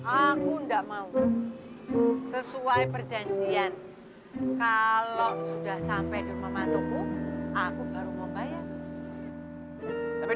aku ndak mau sesuai perjanjian kalau sudah sampai di rumah mantoku aku baru membayar tapi itu masih bisa berjalan langsung